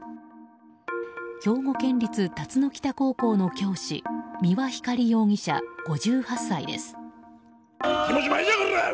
兵庫県立龍野北高校の教師三輪光容疑者、５８歳です。